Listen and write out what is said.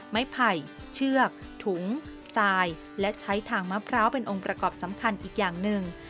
ไม้ไผ่เชือกถุงทรายและใช้ทางมะพร้าวเป็นองค์ประกอบสำคัญอีกอย่างหนึ่ง